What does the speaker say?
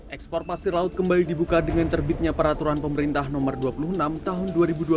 ekspor pasir laut kembali dibuka dengan terbitnya peraturan pemerintah nomor dua puluh enam tahun dua ribu dua puluh